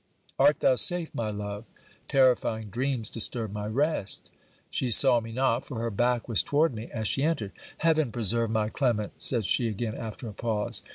'Art thou safe, my love? terrifying dreams disturb my rest!' She saw me not, for her back was toward me as she entered. 'Heaven preserve my Clement!' said she again after a pause.